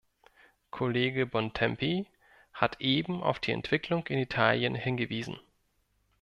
Kollege Bontempi hat eben auf die Entwicklung in Italien hingewiesen.